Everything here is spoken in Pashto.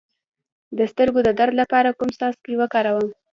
د سترګو د درد لپاره کوم څاڅکي وکاروم؟